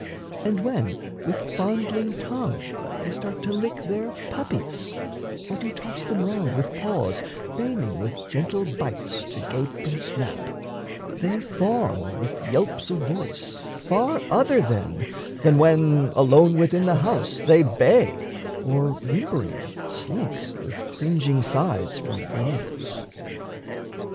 And when with fondling tongue they start to lick Their puppies, or do toss them round with paws, Feigning with gentle bites to gape and snap, They fawn with yelps of voice far other then Than when, alone within the house, they bay, Or whimpering slink with cringing sides from blows.